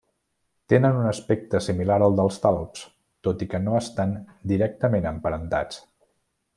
Tenen un aspecte similar al dels talps, tot i que no hi estan directament emparentats.